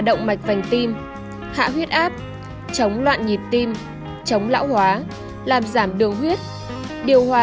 động mạch vành tim hạ huyết áp chống loạn nhịp tim chống lão hóa làm giảm đường huyết điều hòa